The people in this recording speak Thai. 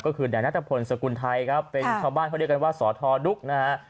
ก็คือนัตตะพลสกุลไทยเป็นชาวบ้านเขาเรียกว่าสตดุ๊กนะฮะ